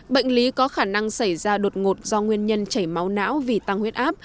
bệnh lý có khả năng xảy ra đột ngột do nguyên nhân chảy máu não vì tăng huyết áp